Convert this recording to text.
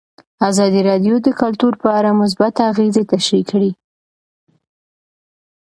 ازادي راډیو د کلتور په اړه مثبت اغېزې تشریح کړي.